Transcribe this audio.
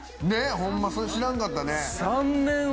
ホンマそれ知らんかったね。